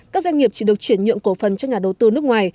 các doanh nghiệp chỉ được chuyển nhượng cổ phần cho nhà đầu tư nước ngoài